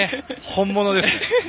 本物ですね！